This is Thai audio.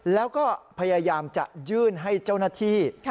แล้วก็พยายามจะยื่นให้เจ้าหน้าที่